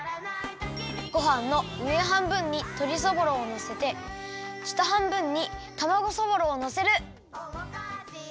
ごはんのうえはんぶんにとりそぼろをのせてしたはんぶんにたまごそぼろをのせる！